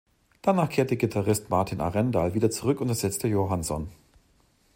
Danach kehrte Gitarrist Martin Arendal wieder zurück und ersetzte Johansson.